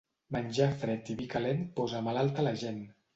Menjar fred i vi calent posa malalta la gent.